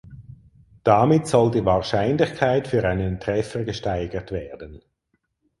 Damit soll die Wahrscheinlichkeit für einen Treffer gesteigert werden.